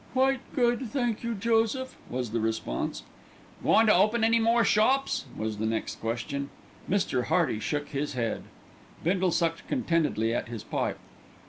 "Quite good, thank you, Joseph," was the response. "Goin' to open any more shops?" was the next question. Mr. Hearty shook his head. Bindle sucked contentedly at his pipe.